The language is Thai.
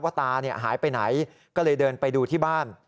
ตาหายไปไหนก็เลยเดินไปดูที่บ้าน